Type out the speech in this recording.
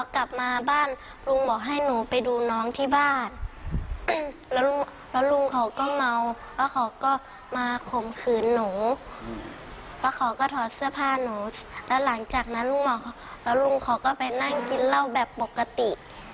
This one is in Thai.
แล้วหลังจากนั้นลุงเขาก็ก็มาโคมขืนนูกแล้วเขาก็ถอดเสื้อผ้านูแล้วหลังจากนั้นลุงเขาก็ไปนั่งกินเหล้าแบบปกติ